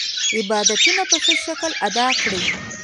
عبادتونه په ښه شکل ادا کړي.